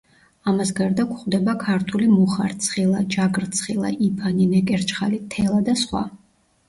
ამას გარდა გვხვდება ქართული მუხა, რცხილა, ჯაგრცხილა, იფანი, ნეკერჩხალი, თელა და სხვა.